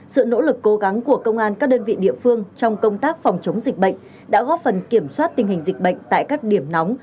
sự nỗ lực cố gắng của công an các đơn vị địa phương trong công tác phòng chống dịch bệnh đã góp phần kiểm soát tình hình dịch bệnh tại các điểm nóng